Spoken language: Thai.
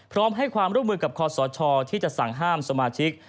พร้อมให้ความร่วมมือกับคอสชที่จะสั่งห้ามสมาชิก